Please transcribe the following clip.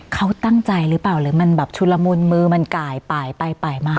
เค้าตั้งใจรึเปล่าหรือมันชุดละมุนมือกายไป